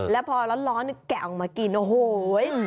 แล้วพอร้อนแกะออกมากินโอ้โห